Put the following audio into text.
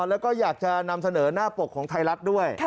แล้วก็อยากจะนำเสนอหน้าปกของไทยรัฐด้วย